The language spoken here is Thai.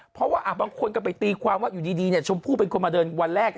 เพราะว่าบางคนก็ไปตีความว่าอยู่ดีชมพู่เป็นคนมาเดินวันแรก